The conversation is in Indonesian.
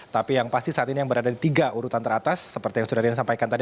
tapi yang pasti saat ini yang berada di tiga urutan teratas seperti yang sudah rian sampaikan tadi